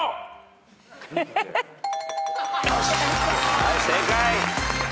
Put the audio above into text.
はい正解。